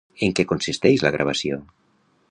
En què consisteix la gravació?